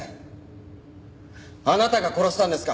あなたが殺したんですか？